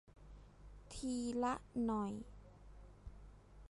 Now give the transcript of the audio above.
ทีละหน่อย